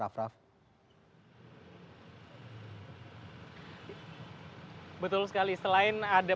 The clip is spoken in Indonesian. betul sekali selain ada